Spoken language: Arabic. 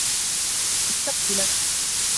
أشتقتُ لكَ.